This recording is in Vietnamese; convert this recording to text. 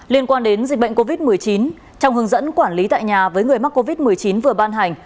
liên quan đến dịch bệnh covid một mươi chín trong hướng dẫn quản lý tại nhà với người mắc covid một mươi chín vừa ban hành